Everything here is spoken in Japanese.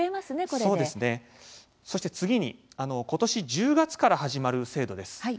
そして次にことし１０月から始まる制度です。